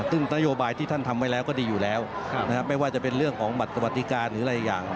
ซึ่งนโยบายที่ท่านทำไว้แล้วก็ดีอยู่แล้วไม่ว่าจะเป็นเรื่องของบัตรสวัสดิการหรืออะไรอย่าง